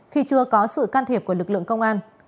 khi chưa có sự can thiệp của lực lượng công an